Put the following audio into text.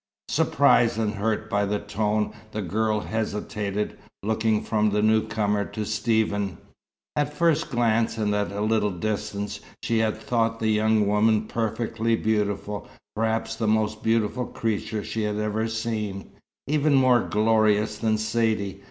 Surprised and hurt by the tone, the girl hesitated, looking from the newcomer to Stephen. At first glance and at a little distance, she had thought the young woman perfectly beautiful, perhaps the most beautiful creature she had ever seen even more glorious than Saidee.